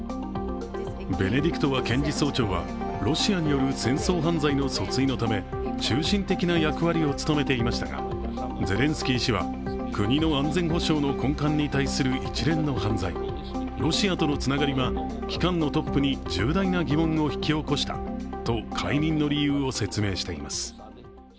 ベネディクトワ検事総長はロシアによる戦争犯罪の訴追のため中心的な役割を務めていましたが、ゼレンスキー氏は国の安全保障の根幹に対する一連の犯罪、ロシアとのつながりは機関のトップに重大な疑問を引き起こしたと解任の理由を説明しています。